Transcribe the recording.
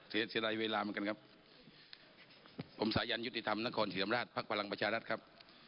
เสียเสียรายเวลาเหมือนกันครับผมสายันยุติธรรมนครศรีธรรมราชภักดิ์พลังประชารัฐครับ